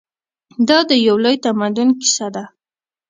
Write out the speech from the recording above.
دا د یو لوی تمدن کیسه ده.